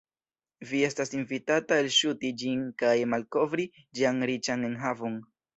Vi estas invitata elŝuti ĝin kaj malkovri ĝian riĉan enhavon.